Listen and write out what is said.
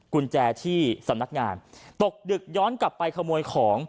กุญแจที่สำนักงานตกดึกย้อนกลับไปขโมยของ